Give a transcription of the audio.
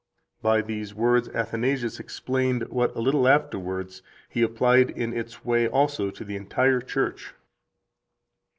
By these words Athanasius explained what a little afterwards he applied in its way also to the entire Church.